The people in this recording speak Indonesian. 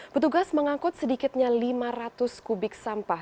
petugas mengangkut sedikitnya lima ratus kubik sampah